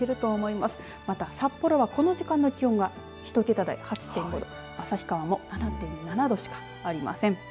また、札幌はこの時間の気温が１桁台８．５度旭川も７．７度しかありません。